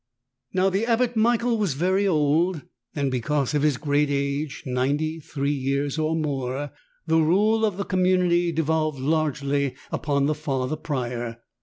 III. Now the Abbot Michael was very old, and because of his great age — ninety three years or more — the rule of the community devolved largely upon the Father Prior.